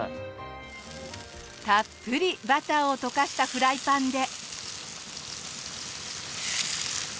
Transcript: たっぷりバターを溶かしたフライパンで。